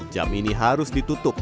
jam ini harus ditutupi